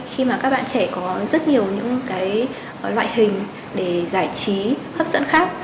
khi các bạn trẻ có rất nhiều loại hình để giải trí hấp dẫn khác